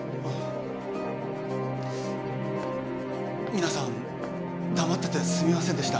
皆さん黙っててすみませんでした。